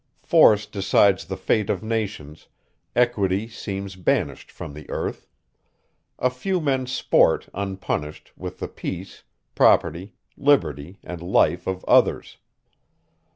Force decides the fate of nations, equity seems banished from the earth; a few men sport, unpunished, with the peace, property, liberty, and life of others.